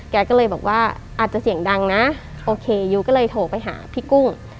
แกก็เลยบอกว่าอาจจะเสียงดังนะโอเคยูก็เลยโทรไปหาพี่กุ้ง